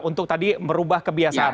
untuk tadi merubah kebiasaan